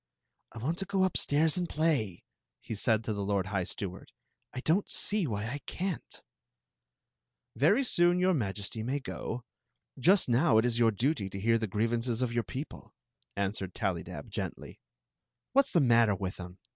" I want to go upstairs and play," he said to the lord high steward. " I don't see why I can't" "Very soon your Majesty may go. Just now it is your duty to hear the grievances of your people," answered Tallydab, gently. " What 's the matter with 'em ?